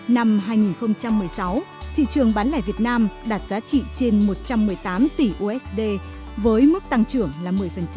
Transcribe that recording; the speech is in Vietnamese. năm hai nghìn một mươi sáu thị trường bán lẻ việt nam đạt giá trị trên một trăm một mươi tám tỷ usd với mức tăng trưởng là một mươi